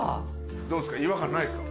どうですか？